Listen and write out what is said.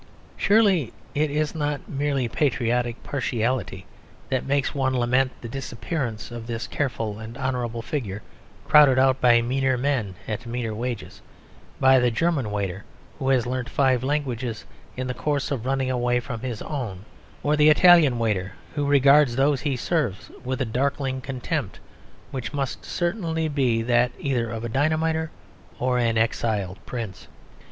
Surely it is not mere patriotic partiality that makes one lament the disappearance of this careful and honourable figure crowded out by meaner men at meaner wages, by the German waiter who has learnt five languages in the course of running away from his own, or the Italian waiter who regards those he serves with a darkling contempt which must certainly be that either of a dynamiter or an exiled prince.